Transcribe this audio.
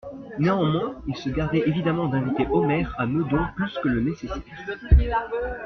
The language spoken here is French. Néanmoins il se gardait évidemment d'inviter Omer à Meudon plus que le nécessaire.